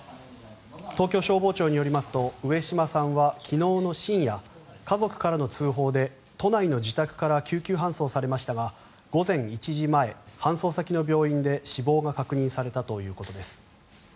東京消防庁によりますと上島さんは昨日の深夜家族からの通報で都内の自宅から救急搬送されましたが午前１時前、搬送先の病院で死亡が確認されたということです。